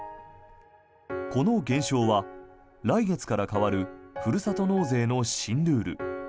この現象は、来月から変わるふるさと納税の新ルール